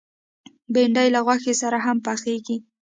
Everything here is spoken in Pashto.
بېنډۍ له غوښې سره هم پخېږي